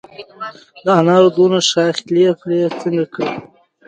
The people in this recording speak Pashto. د انارو د ونو شاخه بري څنګه وکړم؟